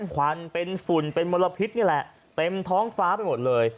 ควันเป็นฝุ่นเป็นมลพิษนี่แหละเต็มท้องฟ้าไปหมดเลย